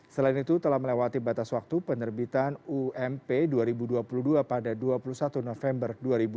selain itu telah melewati batas waktu penerbitan ump dua ribu dua puluh dua pada dua puluh satu november dua ribu dua puluh